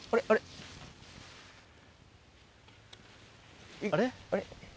あれ？